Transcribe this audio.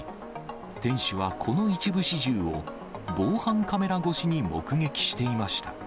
店主はこの一部始終を、防犯カメラ越しに目撃していました。